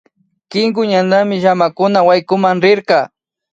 Kinku ñantami llamakuna waykunan rirka